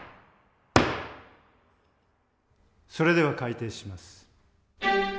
それでは開廷します。